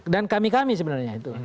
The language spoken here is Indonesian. dan kami kami sebenarnya itu